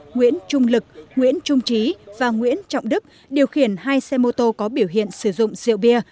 nguyễn trung lực nguyễn trung trí và nguyễn trọng đức điều khiển hai xe mô tô có biểu hiện sử dụng rượu bia